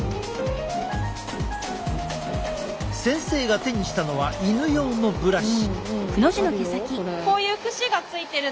先生が手にしたのは犬用のブラシ。